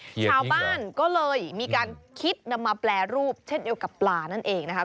ชาวบ้านก็เลยมีการคิดนำมาแปรรูปเช่นเดียวกับปลานั่นเองนะคะ